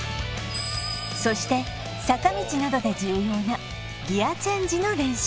そして坂道などで重要なギアチェンジの練習